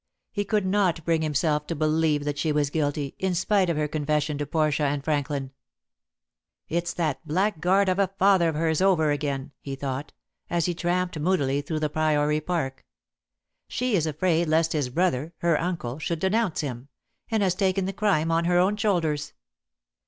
He could not bring himself to believe that she was guilty, in spite of her confession to Portia and Franklin. "It's that blackguard of a father of hers over again," he thought, as he tramped moodily through the Priory park. "She is afraid lest his brother her uncle should denounce him, and has taken the crime on her own shoulders.